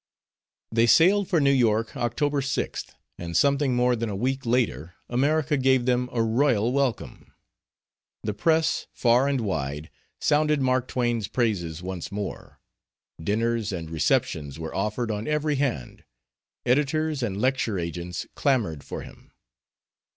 They sailed for New York October 6th, and something more than a week later America gave them a royal welcome. The press, far and wide, sounded Mark Twain's praises once more; dinners and receptions were offered on every hand; editors and lecture agents clamored for him.